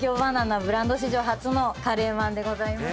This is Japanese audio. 奈ブランド史上初のカレーまんでございます。